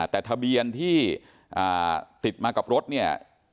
แต่ทะเบียนที่ติดมากับรถเนี่ย